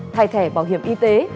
thay thẻ bảo hiểm y tế